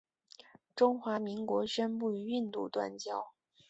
中华民国宣布与印度断交。